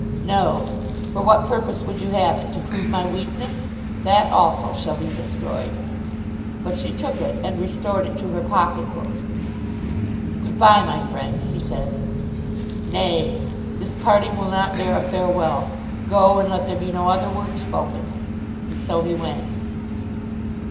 "No. For what purpose would you have it? To prove my weakness? That also shall be destroyed." But she took it and restored it to her pocket book. "Good bye, my friend," he said. "Nay! This parting will not bear a farewell. Go, and let there be no other word spoken." And so he went.